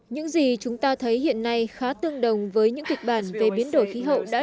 những gì chúng ta thấy hiện nay khá tương đồng với những kịch bản về biến đổi khí hậu đã được dự báo